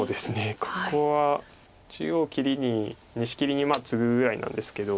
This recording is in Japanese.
ここは中央切りに２子切りにツグぐらいなんですけど。